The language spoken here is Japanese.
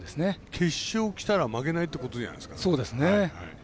決勝きたら負けないってことじゃないですか。